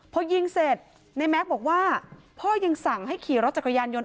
พอยิงเสร็จในแม็กซ์บอกว่าพ่อยังสั่งให้ขี่รถจักรยานยนต์